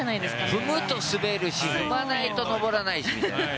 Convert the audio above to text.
踏むと滑るし踏まないと上らないし。